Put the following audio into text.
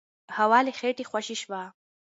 هوا له خېټې خوشې شوه.